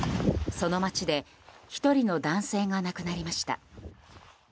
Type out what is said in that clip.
その町で１人の男性が亡くなりました。